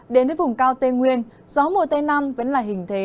đến với vùng cao tây nguyên gió mùa tây nam vẫn là hình thế